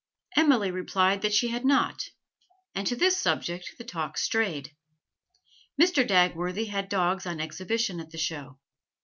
Emily replied that she had not, and to this subject the talk strayed. Mr. Dagworthy had dogs on exhibition at the show.